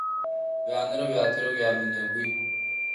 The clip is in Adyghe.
Уянэрэ уятэрэ уямынэгуй.